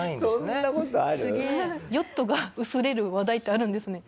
ヨットが薄れる話題ってあるんですね。